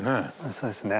そうですね。